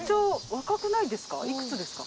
若くないですか？